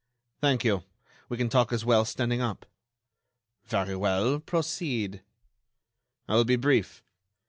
"Thank you; we can talk as well standing up." "Very well—proceed." "I will be brief.